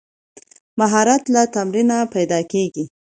مهارت له تمرین پیدا کېږي.